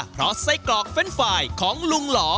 เพราะไส้กรอกเรนด์ไฟล์ของลุงหล่อ